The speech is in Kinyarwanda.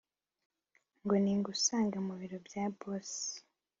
ngo ningusange mubiro bya boss”